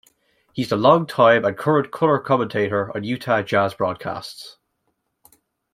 He is the long-time and current color commentator on Utah Jazz broadcasts.